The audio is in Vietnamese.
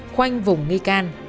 khoanh vùng nghi can